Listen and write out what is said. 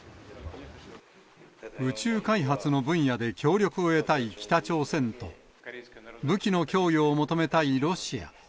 宇宙開発の分野で協力を得たい北朝鮮と、武器の供与を求めたいロシア。